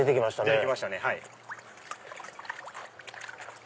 出てきましたね。